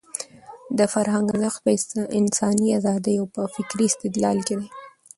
د فرهنګ ارزښت په انساني ازادۍ او په فکري استقلال کې دی.